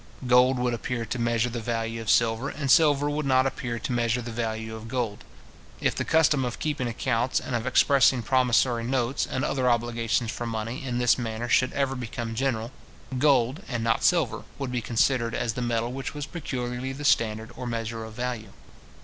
Gold would appear to measure the value of silver, and silver would not appear to measure the value of gold. If the custom of keeping accounts, and of expressing promissory notes and other obligations for money, in this manner should ever become general, gold, and not silver, would be considered as the metal which was peculiarly the standard or measure of value.